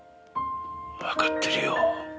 分かってるよ。